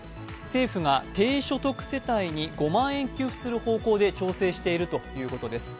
政府が低所得世帯に５万円給付する方向で調整しているということです。